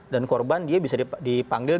dan korban dia bisa dipanggil